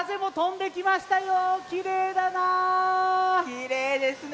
きれいですね。